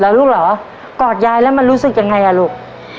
แล้วลูกเหรอกอดยายแล้วมันรู้สึกยังไงอ่ะลูก